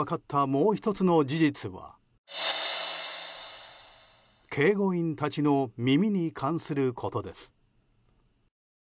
もう１つの事実は警護員たちの耳に関することです。